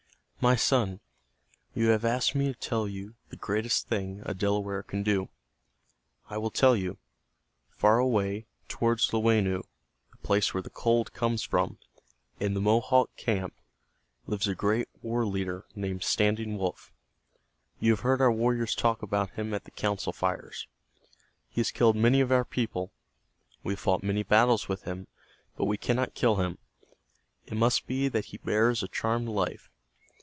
"My son, you have asked me to tell you the greatest thing a Delaware can do. I will tell you. Far away toward Lowaneu, The Place Where The Cold Comes From, in the Mohawk camp, lives a great war leader named Standing Wolf. You have heard our warriors talk about him at the council fires. He has killed many of our people. We have fought many battles with him, but we cannot kill him. It must be that he bears a charmed life.